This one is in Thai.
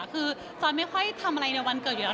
คือจอยไม่ค่อยทำอะไรในวันเกิดอยู่แล้ว